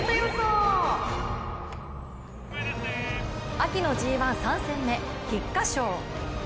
秋のＧⅠ３戦目、菊花賞。